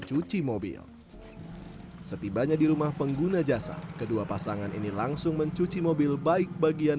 cuci mobil setibanya di rumah pengguna jasa kedua pasangan ini langsung mencuci mobil baik bagian